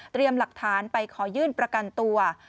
หลักฐานไปขอยื่นประกันตัว